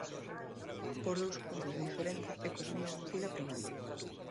Por dous puntos de diferenza e co son da bucina apremando.